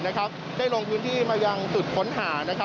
ได้ลงพื้นที่มายังจุดค้นหา